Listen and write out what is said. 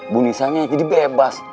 bu nisanya jadi bebas